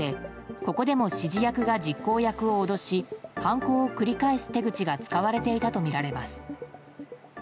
ここでも指示役が実行役を脅し犯行を繰り返す手口が使われていたとみられます。